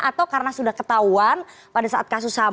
atau karena sudah ketahuan pada saat kasus ham